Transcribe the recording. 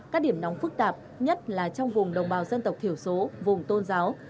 các điểm nóng phức tạp nhất là trong vùng đồng bào dân tộc thiểu số vùng tôn giáo